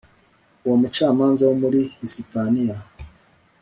uwo mucamanza wo muri hisipaniya,